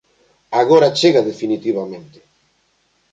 Agora chega definitivamente.